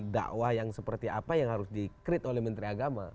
dakwah yang seperti apa yang harus di create oleh menteri agama